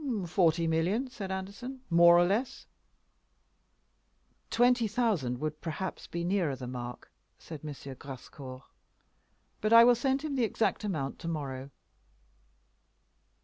"Forty million," said Anderson, "more or less." "Twenty thousand would, perhaps, be nearer the mark," said M. Grascour; "but I will send him the exact amount to morrow."